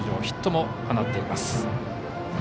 ヒットも放っています。